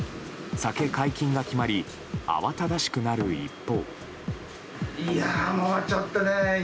酒解禁が決まり慌ただしくなる一方。